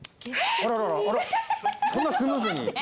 あららそんなスムーズに。